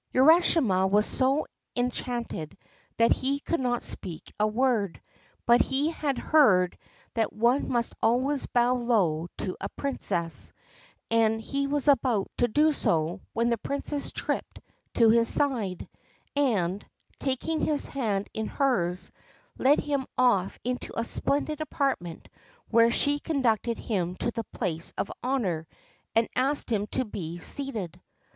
Urashima was so enchanted that he could not speak a word ; but he had heard that one must always bow low to a Princess, and he was about to do so when the Princess tripped to his side, and, taking his hand in hers, led him off into a splendid apartment, where she conducted him to the place of honour and asked him to be seated.